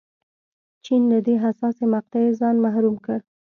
چین له دې حساسې مقطعې ځان محروم کړ.